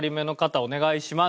お願いします！